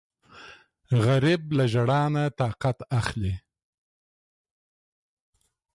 غریب له ژړا نه طاقت اخلي